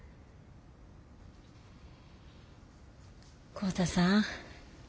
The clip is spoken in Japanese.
浩太さん